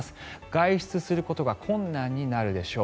外出することが困難になるでしょう。